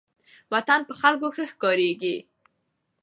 وطن په خلکو ښه ښکاریږي.